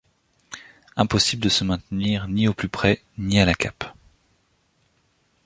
Impossible de se maintenir ni au plus près, ni à la cape.